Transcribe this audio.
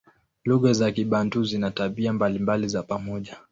Lugha za Kibantu zina tabia mbalimbali za pamoja.